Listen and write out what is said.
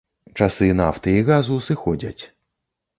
Часы нафты і газу сыходзяць.